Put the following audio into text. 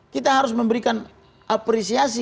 kita harus memberikan apresiasi